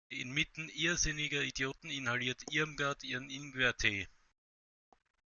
Inmitten irrsinniger Idioten inhaliert Irmgard ihren Ingwertee.